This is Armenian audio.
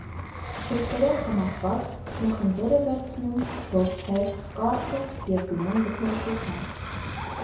Վշտերով համակված՝ նա խնձոր է վերցնում, որդեր, կարթը և գնում ձկնորսության։